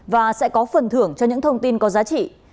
và sẽ có phần thưởng cho những thông tin có giá trị